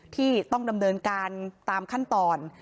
ที่ต้องดำเนินการตามขั้นตอน